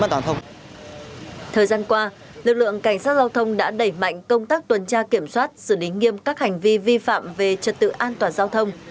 thời gian qua lực lượng cảnh sát giao thông đã đẩy mạnh công tác tuần tra kiểm soát xử lý nghiêm các hành vi vi phạm về trật tự an toàn giao thông